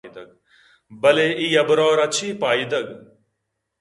بلئے اے حبرءَ را چے پائدگ